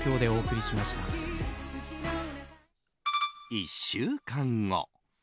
１週間後。